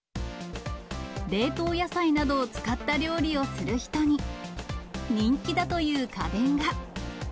冷凍野菜などを使った料理をする人に人気だという家電が。